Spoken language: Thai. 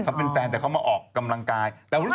เขาเป็นแฟนแต่เขามาออกกำลังกาย